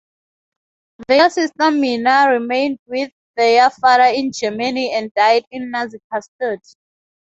Their sister Minna remained with their father in Germany and died in Nazi custody.